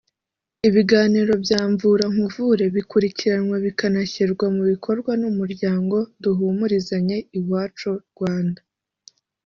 Ibiganiro bya Mvura nkuvure bikurikiranwa bikanashyirwa mu bikorwa n’Umuryango Duhumurizanye Iwacu-Rwanda